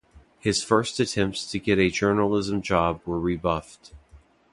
His first attempts to get a journalism job were rebuffed.